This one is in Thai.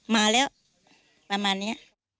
มาแล้วประมาณนี้